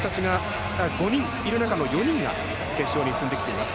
その中の４人が決勝に進んできています。